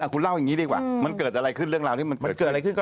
คุณเล่าอย่างนี้ดีกว่ามันเกิดอะไรขึ้นเรื่องราวที่มันเกิดอะไรขึ้น